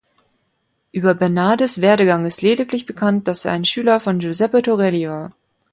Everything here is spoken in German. Über Bernardis Werdegang ist lediglich bekannt, dass er ein Schüler von Giuseppe Torelli war.